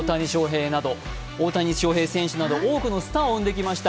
大谷翔平選手など多くのスターを生んできました